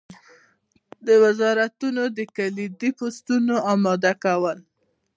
د وزارتونو د کلیدي بستونو اماده کول.